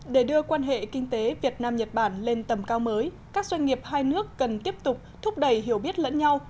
để đưa quan hệ kinh tế việt nam nhật bản lên tầm cao mới các doanh nghiệp hai nước cần tiếp tục thúc đẩy hiểu biết lẫn nhau